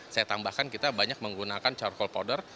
saya tambahkan kita banyak menggunakan charcoal powder